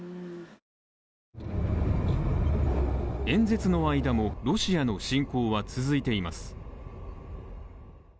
演説の間も、ロシアの侵攻は続いています。